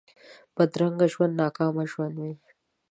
بدرنګه ژوند ناکام ژوند وي